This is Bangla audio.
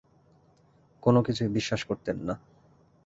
কোনো কিছুই বিশ্বাস করতেন না।